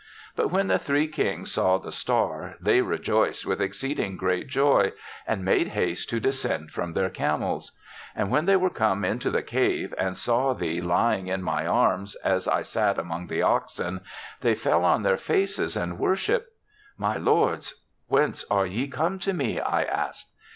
"But when the three kings saw the star, they rejoiced with exceeding great joy and made haste to descend from their camels. And when they were come into the cave and saw thee lying in my arms as I sat among the oxen, they fell on their faces and worshipped. "'My lords, whence are ye come to me ?' I asked.